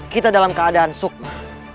kita dalam keadaan sukma